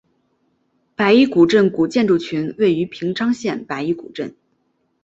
白衣古镇古建筑群位于平昌县白衣古镇。